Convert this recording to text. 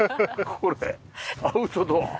これアウトドア。